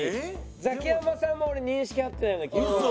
ザキヤマさんも俺認識合ってないような気がする。